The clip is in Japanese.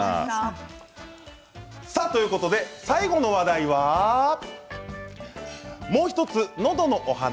さて、最後の話題はもう１つ、のどのお話。